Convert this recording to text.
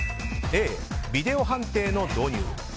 Ａ、ビデオ判定の導入